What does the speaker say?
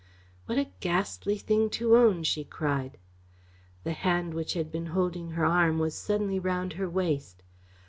"What a ghastly thing to own," she cried. The hand which had been holding her arm was suddenly round her waist.